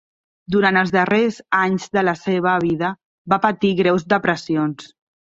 Durant els darrers anys de la seva vida, va patir greus depressions.